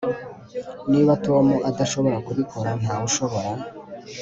Niba Tom adashobora kubikora ntawe ushobora